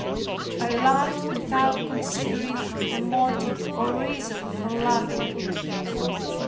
I loved without considering a motive or reason for loving.